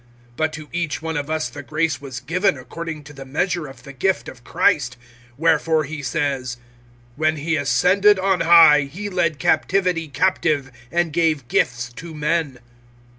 (7)But to each one of us the grace was given according to the measure of the gift of Christ. (8)Wherefore he says: When he ascended on high, He led captivity captive, And gave gifts to men.